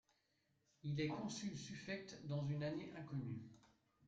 Il est consul suffect dans une année inconnue.